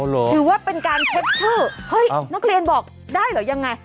ถือว่าเป็นการเช็คชื่อเฮ้ยนักเรียนบอกได้เหรอยังไง